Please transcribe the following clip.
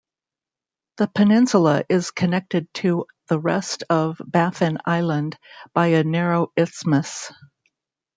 The peninsula is connected to the rest of Baffin Island by a narrow isthmus.